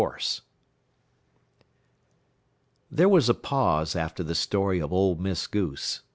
HORSE There was a pause after the story of old Miss Goose.